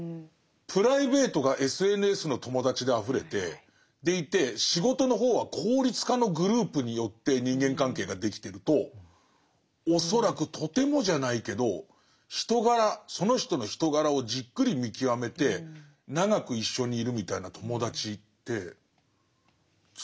プライベートがＳＮＳの友達であふれてでいて仕事の方は効率化のグループによって人間関係ができてると恐らくとてもじゃないけど人柄その人の人柄をじっくり見極めて長く一緒にいるみたいな友達ってつくれない。